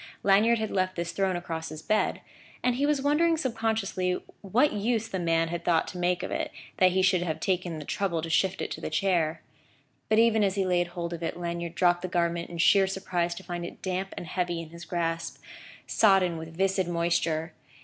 Lanyard had left this thrown across his bed; and he was wondering subconsciously what use the man had thought to make of it, that he should have taken the trouble to shift it to the chair. But even as he laid hold of it, Lanyard dropped the garment in sheer surprise to find it damp and heavy in his grasp, sodden with viscid moisture.